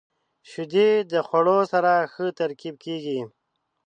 • شیدې د خوړو سره ښه ترکیب کیږي.